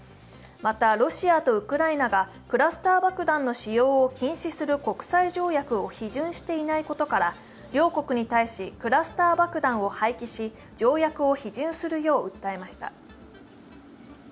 また、ロシアとウクライナがクラスター爆弾の使用を禁止する国際条約を批准していないことから両国に対し、クラスター爆弾を廃棄し条約を批准するよう訴えました。